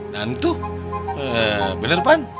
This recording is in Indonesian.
tentu bener pan